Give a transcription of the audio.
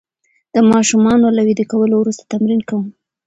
د ماشومانو له ویده کولو وروسته تمرین کوم.